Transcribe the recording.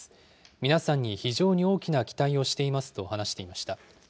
皆さんに非常に大きな期待をしていますと話していました。